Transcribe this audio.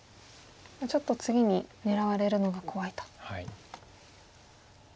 ちょっと次に狙われるのが怖いと。